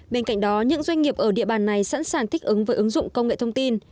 bên cạnh đó những doanh nghiệp ở địa bàn này sẵn sàng thích ứng với ứng dụng công nghệ thông tin